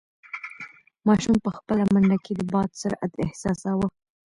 ماشوم په خپله منډه کې د باد سرعت احساساوه.